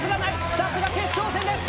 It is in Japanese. さすが決勝戦です。